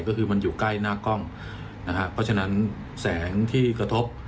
ก็คือมันอยู่ใกล้หน้ากล้องนะฮะเพราะฉะนั้นแสงที่กระทบ